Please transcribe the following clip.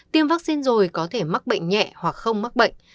tiêm vaccine rồi có thể mắc bệnh nhẹ hoặc không mắc bệnh